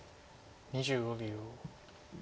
２５秒。